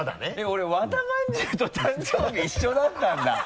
俺和田まんじゅうと誕生日一緒だったんだ。